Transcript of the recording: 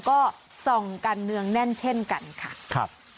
ก็ทรงกันเนื่องแน่นเช่นกันค่ะ